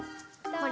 これ！